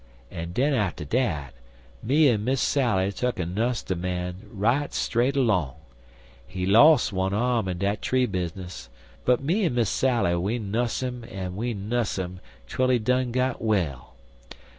En den atter dat, me en Miss Sally tuck en nuss de man right straight along. He los' one arm in dat tree bizness, but me en Miss Sally we nuss 'im en we nuss 'im twel he done got well.